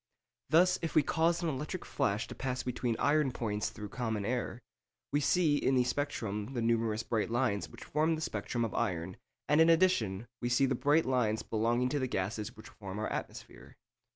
Thus, if we cause an electric flash to pass between iron points through common air, we see in the spectrum the numerous bright lines which form the spectrum of iron, and in addition we see the bright lines belonging to the gases which form our atmosphere.